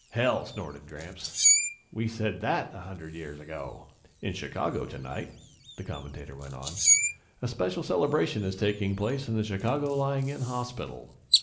"Hell!" snorted Gramps. "We said that a hundred years ago!" "In Chicago tonight," the commentator went on, "a special celebration is taking place in the Chicago Lying in Hospital.